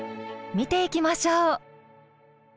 見ていきましょう。